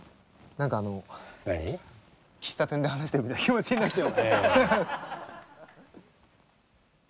何かあの喫茶店で話してるみたいな気持ちになっちゃうんで。